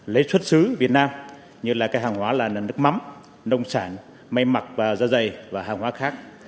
lấy xuất xứ việt nam như là cái hàng hóa là nước mắm nông sản may mặc và da dày và hàng hóa khác